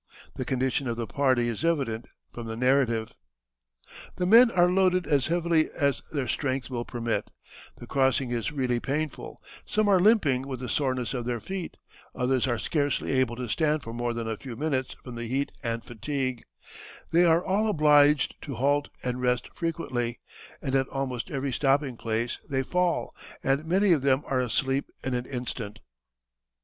The condition of the party is evident from the narrative: "The men are loaded as heavily as their strength will permit; the crossing is really painful; some are limping with the soreness of their feet, others are scarcely able to stand for more than a few minutes from the heat and fatigue; they are all obliged to halt and rest frequently, and at almost every stopping place they fall, and many of them are asleep in an instant."